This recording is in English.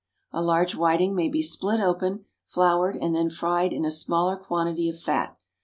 A large whiting may be split open, floured, and then fried in a smaller quantity of fat.